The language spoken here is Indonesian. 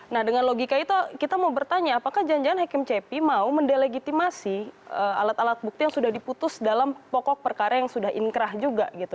nah dengan logika itu kita mau bertanya apakah jangan jangan hakim cepi mau mendelegitimasi alat alat bukti yang sudah diputus dalam pokok perkara yang sudah inkrah juga gitu